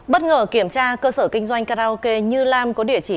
bất ngờ kiểm tra cơ sở kinh doanh karaoke như lam có địa chỉ